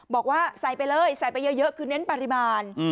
บอกว่าใส่ไปเลยใส่ไปเยอะคือเน้นปริมาณ